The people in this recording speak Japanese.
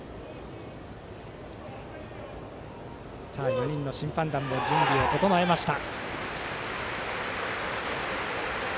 ４人の審判団も準備を整えました。